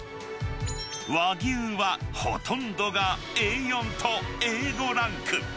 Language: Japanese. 和牛はほとんどがＡ４とＡ５ランク。